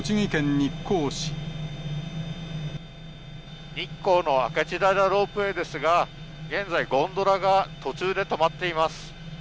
日光の明智平ロープウェイですが、現在、ゴンドラが途中で止まっています。